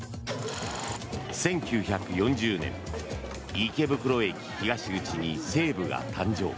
１９４０年池袋駅東口に西武が誕生。